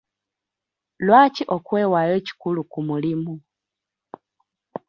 Lwaki okwewaayo kikulu ku mulimu?